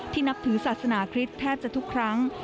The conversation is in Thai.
นับถือศาสนาคริสต์แทบจะทุกครั้ง